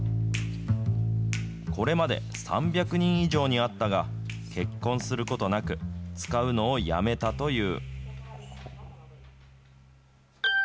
これまで３００人以上に会ったが、結婚することなく、使うのをやめたという。